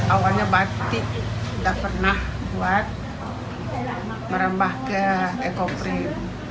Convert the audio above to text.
awalnya batik tidak pernah buat merembah ke ekoprim